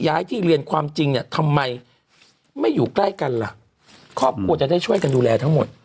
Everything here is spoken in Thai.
ย้ายที่เรียนความจริงเนี่ยทำไมไม่อยู่ใกล้กันล่ะครอบครัวจะได้ช่วยกันดูแลทั้งหมด